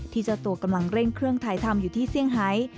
เจ้าตัวกำลังเร่งเครื่องถ่ายทำอยู่ที่เซี่ยงไฮ